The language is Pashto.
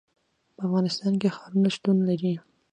په افغانستان کې ښارونه شتون لري.